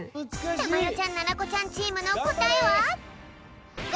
たまよちゃんななこちゃんチームのこたえは？